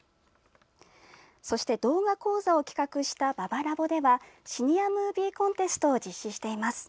そして動画講座を企画したＢＡＢＡｌａｂではシニアムービーコンテストを実施しています。